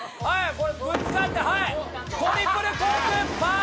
はい。